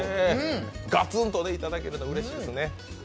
ガツンといただけるのはうれしいですね。